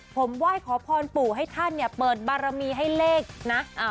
ผมไหว้ขอพรปู่ให้ท่านเนี่ยเปิดบารมีให้เลขนะ